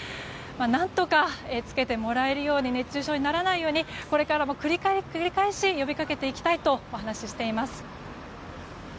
何とかつけてもらえるように熱中症にならないようにこれからも繰り返し呼び掛けていきたいと話しています。